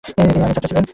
তিনি আইনের ছাত্র ছিলেন।